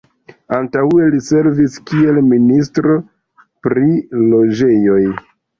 Antaŭe li servis kiel Ministro pri Loĝejoj.